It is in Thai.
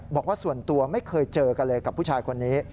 บอกว่าส่วนตัวไม่เคยเจอกันเลยกับผู้ชายคนนี้